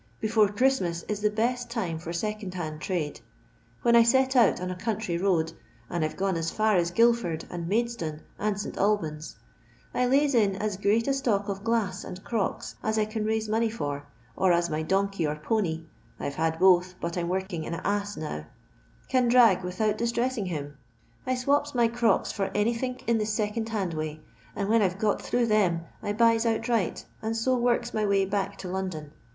Before Christmas is the best time for second hand trade. When I set out on a country round — and I 've gone as far as Guildford and Maidstone, and 8t. Alban's— I lays in as great a stock of glass and crocks as I can nuse money for, or as my donkey or pony — I *ve had both, but I 'm working a ass now — can drag without distressing him. I swops my crocks for anythink in the second hand way, and when I 've got through them I buys outriglit, and so works my way back to London.